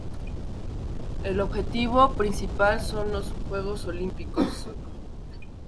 El objetivo principal son los Juegos Olímpicos".